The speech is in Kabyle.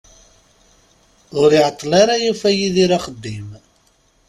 Ur iεeṭṭel ara yufa Yidir axeddim.